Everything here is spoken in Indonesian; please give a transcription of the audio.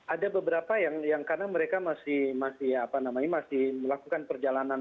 ada beberapa yang karena mereka masih apa namanya masih melakukan perjalanan